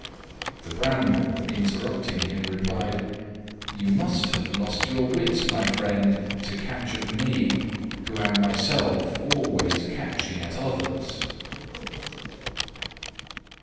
The Bramble, interrupting him, replied, "You must have lost your wits, my friend, to catch at me, who am myself always catching at others."